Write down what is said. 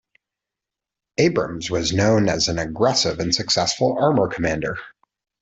Abrams was known as an aggressive and successful armor commander.